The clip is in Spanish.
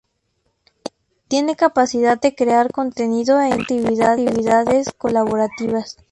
Tiene capacidad de crear contenido e integrar actividades colaborativas.